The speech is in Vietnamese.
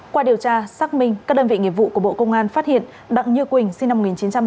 qua điều tra xác minh các đơn vị nghiệp vụ của bộ công an phát hiện đặng như quỳnh sinh năm một nghìn chín trăm tám mươi